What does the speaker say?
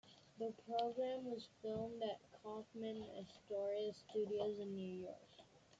The program was filmed at Kaufman Astoria Studios in New York.